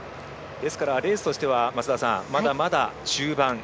ですからレースとしてはまだまだ中盤。